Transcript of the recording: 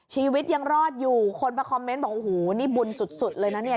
ชีวิตยังรอดอยู่คนมาคอมเมนต์บอกโอ้โหนี่บุญสุดเลยนะเนี่ย